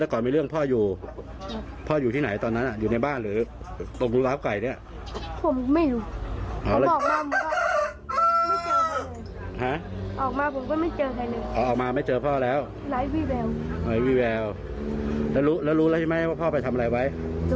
เค้ารู้แล้วใช่ไหมว่าพ่อไปทำอะไรไว้